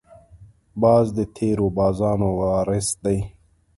باز د تېرو بازانو وارث دی